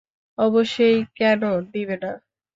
অবশ্যই, কেন দিবে না?